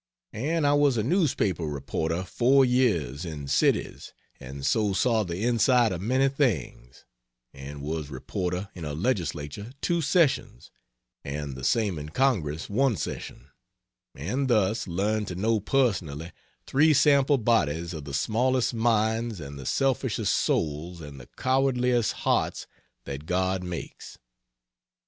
And I was a newspaper reporter four years in cities, and so saw the inside of many things; and was reporter in a legislature two sessions and the same in Congress one session, and thus learned to know personally three sample bodies of the smallest minds and the selfishest souls and the cowardliest hearts that God makes.